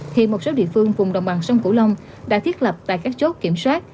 thì một số địa phương vùng đồng bằng sông cửu long đã thiết lập tại các chốt kiểm soát